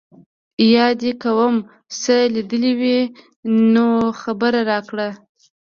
یا دي کوم څه لیدلي وي نو خبر راکړه.